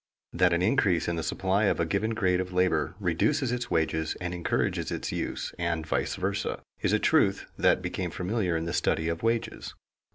_ That an increase in the supply of a given grade of labor reduces its wages and encourages its use, and vice versa, is a truth that became familiar in the study of wages.